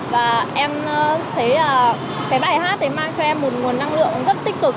và em thấy bài hát mang cho em một nguồn năng lượng rất tích cực